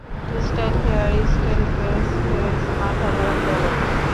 Style, hair style, grace, face, মাথা ভরা talent.